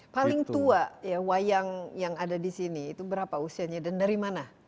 paling tua ya wayang yang ada di sini itu berapa usianya dan dari mana